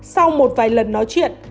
sau một vài lần nói chuyện